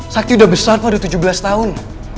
sakti udah besar pak udah tujuh belas tahun